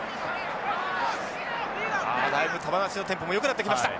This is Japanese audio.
あだいぶ球出しのテンポもよくなってきました！